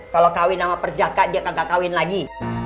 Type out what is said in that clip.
kalo kawin sama perjaka dia kagak kawin lagi